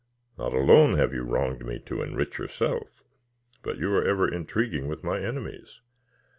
"Not alone have you wronged me to enrich yourself, but you are ever intriguing with my enemies.